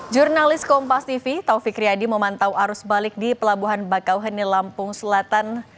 jurnalis kompas tv taufik riyadi memantau arus balik di pelabuhan bakauheni lampung selatan